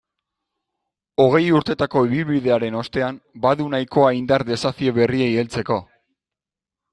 Hogei urtetako ibilbidearen ostean, badu nahikoa indar desafio berriei heltzeko.